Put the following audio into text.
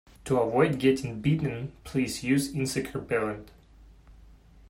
To avoid getting bitten, please use insect repellent